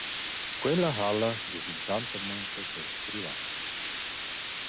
Quella halla es intant amo in possess privat.